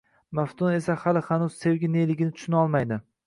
Maftuna esa hali-hanuz sevgi neligini tushunolmaydi